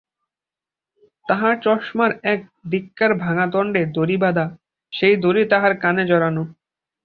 তাঁহার চশমার এক দিককার ভাঙা দণ্ডে দড়ি বাঁধা, সেই দড়ি তাঁহার কানে জড়ানো।